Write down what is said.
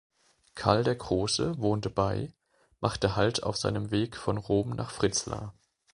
Karl der Große wohnte bei, machte Halt auf seinem Weg von Rom nach Fritzlar.